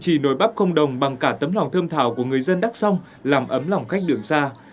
chỉ nồi bắp không đồng bằng cả tấm lòng thơm thảo của người dân đắk song làm ấm lòng khách đường xa